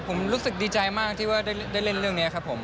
ผมรู้สึกดีใจมากที่ว่าได้เล่นเรื่องนี้ครับผม